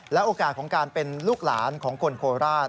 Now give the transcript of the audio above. โอกาสของการเป็นลูกหลานของคนโคราช